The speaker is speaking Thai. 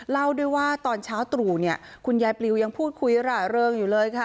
เล่าด้วยว่าตอนเช้าตรู่เนี่ยคุณยายปลิวยังพูดคุยหล่าเริงอยู่เลยค่ะ